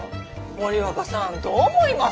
森若さんどう思います？